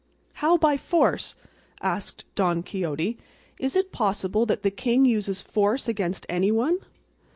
"How by force?" asked Don Quixote; "is it possible that the king uses force against anyone?"